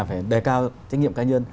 phải đề cao trách nhiệm cá nhân